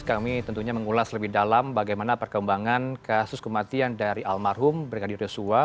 kami tentunya mengulas lebih dalam bagaimana perkembangan kasus kematian dari almarhum brigadir yosua